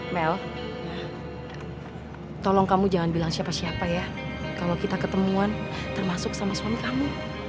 mel tolong kamu jangan bilang siapa siapa ya kalau kita ketemuan termasuk sama suami kamu